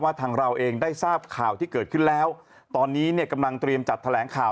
ทางเราเองได้ทราบข่าวที่เกิดขึ้นแล้วตอนนี้เนี่ยกำลังเตรียมจัดแถลงข่าว